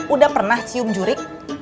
udah pernah cium jurik